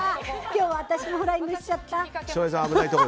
今日は私もフライングしちゃった。